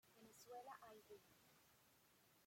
Venezuela, Av.